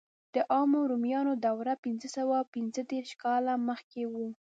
د عامو رومیانو دوره پنځه سوه پنځه دېرش کاله مخکې وه.